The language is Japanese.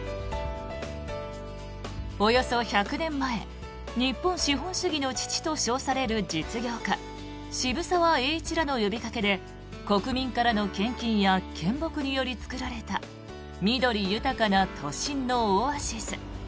およそ１００年前日本資本主義の父と称される実業家、渋沢栄一らの呼びかけで国民からの献金や献木により作られた緑豊かな都心のオアシス。